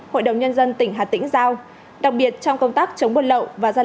hội đồng nhân dân tỉnh hà tĩnh giao đặc biệt trong công tác chống bột lậu và gian